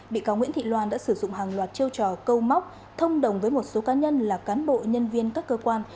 bị cáo nguyễn thị loan đã sử dụng hàng loạt chiêu trò câu móc thông đồng với một số cá nhân là cán bộ nhân viên các cơ quan